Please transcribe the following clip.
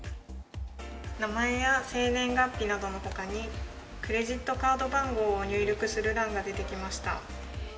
名前や生年月日などのほかに、クレジットカード番号を入力する欄が出てきました。